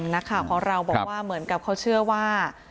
นักข่าวของเราบอกว่าเหมือนกับเขาเชื่อว่า